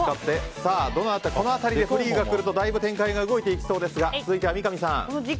さあ、この辺りでフリーが来るとだいぶ展開が動いていきそうですが続いては、三上さん。